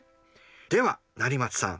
では成松さん。